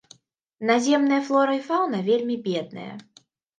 Наземныя флора і фаўна вельмі бедныя.